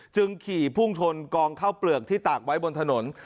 จึงขี่พุ่งชนกองเข้าเปลือกที่ตากไว้บนถนน